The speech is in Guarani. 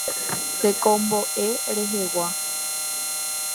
Tekombo'e rehegua.